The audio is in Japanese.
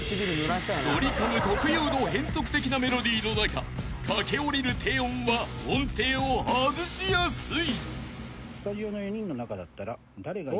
［ドリカム特有の変則的なメロディーの中駆け下りる低音は音程を外しやすい］え！？